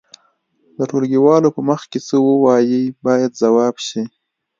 د ټولګيوالو په مخ کې څه ووایئ باید ځواب شي.